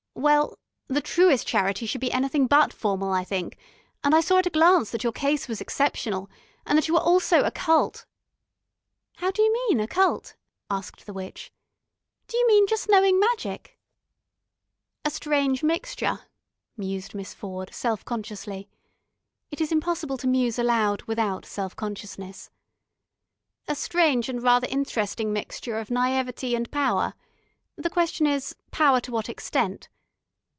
Well, the truest charity should be anything but formal, I think, and I saw at a glance that your case was exceptional, and that you also were Occult " "How d'you mean occult?" asked the witch. "Do you mean just knowing magic?" "A strange mixture," mused Miss Ford self consciously. It is impossible to muse aloud without self consciousness. "A strange and rather interesting mixture of naïveté and power. The question is power to what extent?